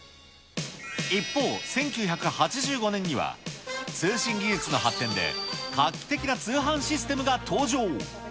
一方、１９８５年には、通信技術の発展で画期的な通販システムが登場。